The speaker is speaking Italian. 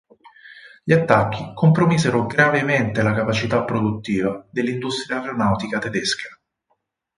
Gli attacchi compromisero gravemente la capacità produttiva dell'industria aeronautica tedesca.